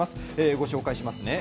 ご紹介します